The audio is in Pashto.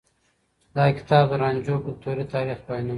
دا کتاب د رانجو کلتوري تاريخ بيانوي.